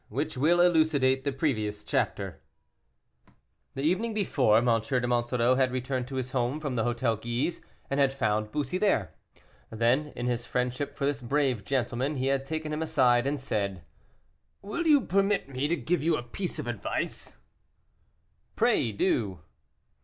WHICH WILL ELUCIDATE THE PREVIOUS CHAPTER. The evening before M. de Monsoreau had returned to his home from the Hôtel Guise, and had found Bussy there. Then, in his friendship for this brave gentleman, he had taken him aside, and said: "Will you permit me to give you a piece of advice?" "Pray do."